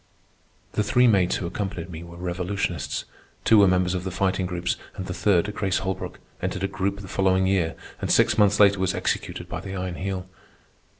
The three maids who accompanied me were revolutionists. Two were members of the Fighting Groups, and the third, Grace Holbrook, entered a group the following year, and six months later was executed by the Iron Heel.